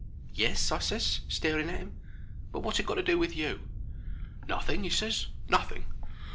"Yes," I ses, staring at him. "But wot's it got to do with you?" "Nothing," he ses. "Nothing.